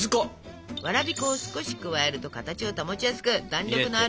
わらび粉を少し加えると形を保ちやすく弾力のある食感になりますよ。